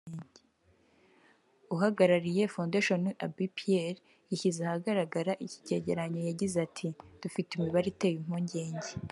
uhagarariye ‘Fondation Abbée Pierre’ yashyize ahagaragara iki cyegeranyo yagize ati “Dufite imibare iteye impungenge